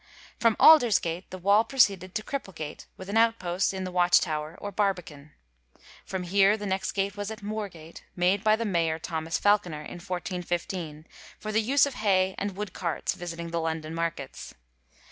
From Aldersgate the wall proceeded to Cripplegate with an outpost, in the Watch Tower or Barbican. From here the next gate was at Moorgate, made by the Mayor, Thomas Falconer, in 1415, for the use of hay and wood carts visiting the London markets.